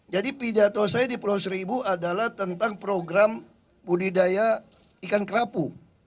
jadi pidato saya di pulau seribu adalah tentang program budidaya ikan kelapu